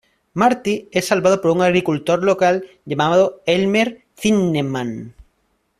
Marty es salvado por un agricultor local llamado Elmer Zinnemann.